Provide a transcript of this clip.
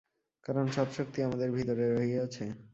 কারণ সব শক্তি আমাদের ভিতরে রহিয়াছে।